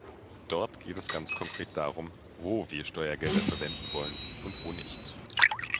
Dort geht es ganz konkret darum, wo wir Steuergelder verwenden wollen und wo nicht.